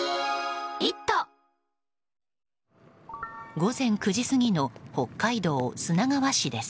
午前９時過ぎの北海道砂川市です。